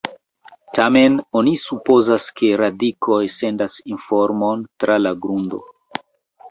Tamen oni supozas ke radikoj sendas informon tra la grundo.